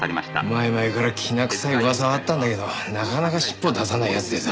前々からきな臭い噂はあったんだけどなかなか尻尾を出さない奴でさ。